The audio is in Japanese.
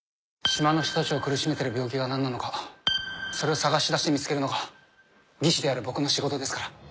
「島の人たちを苦しめてる病気が何なのかそれを探し出して見つけるのが技師である僕の仕事ですから」